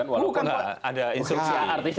walaupun nggak ada instruksi